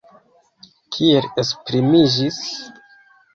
Kiel esprimiĝis?